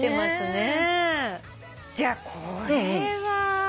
じゃあこれは。